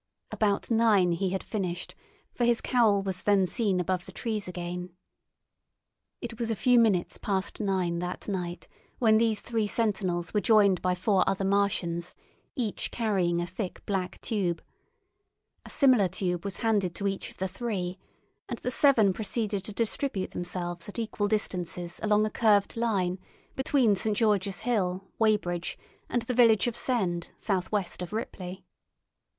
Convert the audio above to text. About nine he had finished, for his cowl was then seen above the trees again. It was a few minutes past nine that night when these three sentinels were joined by four other Martians, each carrying a thick black tube. A similar tube was handed to each of the three, and the seven proceeded to distribute themselves at equal distances along a curved line between St. George's Hill, Weybridge, and the village of Send, southwest of Ripley.